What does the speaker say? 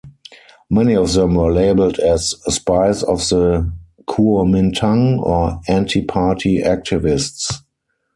Many of them were labeled as "spies of the Kuomintang" or "anti party activists".